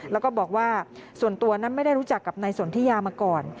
แล้วก็บอกว่าส่วนตัวนั้นไม่ได้รู้จักกับนายสนทิยามาก่อน